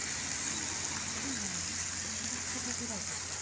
今日のお昼過ぎぐらいでした。